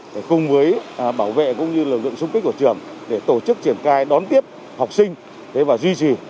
để cùng với bảo vệ cũng như lực lượng xung kích của trường để tổ chức triển cai đón tiếp học sinh và duy trì